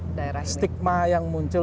ini adalah stigma yang muncul